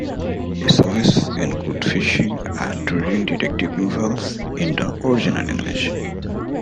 His hobbies include fishing, and reading detective novels in the original English.